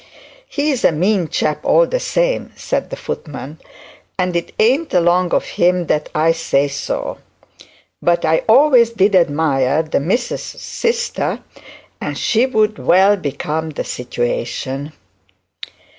'He's a mean chap all the same,' said the footman; 'and it an't along of him that I says so. But I always did admire the missus's sister; and she'd well become the situation.'